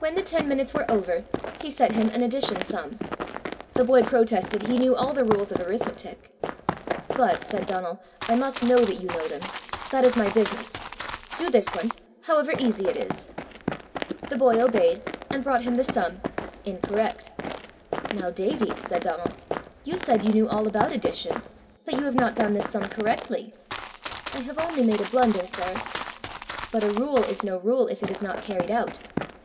When the ten minutes were over, he set him an addition sum. The boy protested he knew all the rules of arithmetic. "But," said Donal, "I must know that you know them; that is my business. Do this one, however easy it is." The boy obeyed, and brought him the sum incorrect. "Now, Davie," said Donal, "you said you knew all about addition, but you have not done this sum correctly." "I have only made a blunder, sir." "But a rule is no rule if it is not carried out.